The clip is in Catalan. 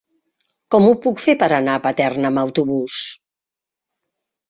Com ho puc fer per anar a Paterna amb autobús?